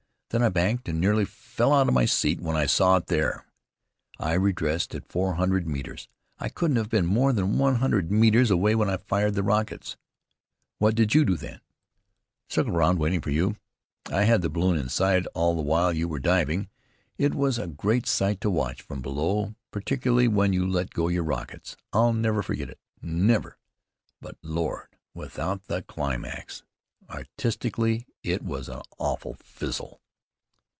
Then I banked and nearly fell out of my seat when I saw it there. I redressed at four hundred metres. I couldn't have been more than one hundred metres away when I fired the rockets." "What did you do then?" "Circled around, waiting for you. I had the balloon in sight all the while you were diving. It was a great sight to watch from below, particularly when you let go your rockets. I'll never forget it, never. But, Lord! Without the climax! Artistically, it was an awful fizzle."